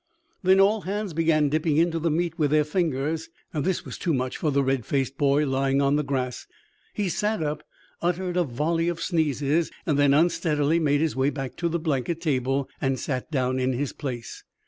Then all hands began dipping into the meat with their fingers. This was too much for the red faced boy lying on the grass. He sat up, uttered a volley of sneezes then unsteadily made his way back to the blanket table and sat down in his place.